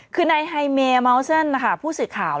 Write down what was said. คือในไฮเมร์มัลซ่อนนะคะผู้สิทธิ์ข่าว